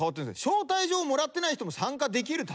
招待状をもらってない人も参加できるため。